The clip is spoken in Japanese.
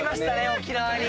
沖縄に。